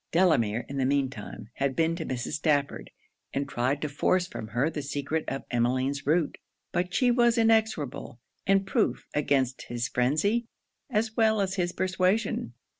Delamere, in the mean time, had been to Mrs. Stafford, and tried to force from her the secret of Emmeline's route. But she was inexorable; and proof against his phrenzy as well as his persuasion.